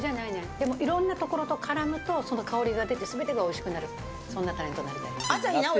でもいろんなところと絡むと、香りが出てすべてが美味しくなる、そんなタレントになり朝日奈央や。